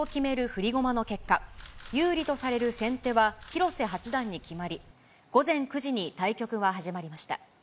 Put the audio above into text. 振り駒の結果、有利とされる先手は広瀬八段に決まり、午前９時に対局が始まりました。